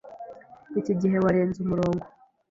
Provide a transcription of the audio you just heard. Iki gihe, warenze umurongo!